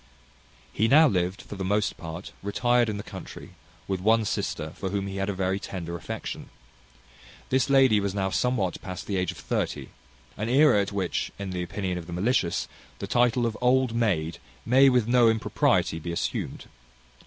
He now lived, for the most part, retired in the country, with one sister, for whom he had a very tender affection. This lady was now somewhat past the age of thirty, an aera at which, in the opinion of the malicious, the title of old maid may with no impropriety be assumed.